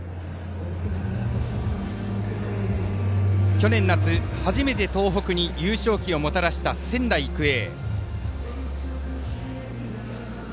去年夏、初めて東北に優勝旗をもたらした仙台育英。